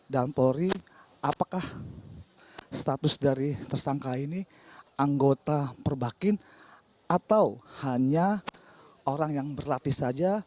dan polri apakah status dari tersangka ini anggota perbakin atau hanya orang yang berlatih saja